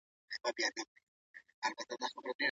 یوازې د ډاکټر په مشوره درمل وکاروئ.